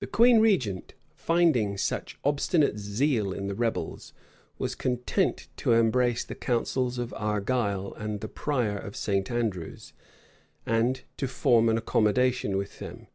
The queen regent, finding such obstinate zeal in the rebels, was content to embrace the counsels of Argyle and the prior of St. Andrew's, and to form an accommodation with them.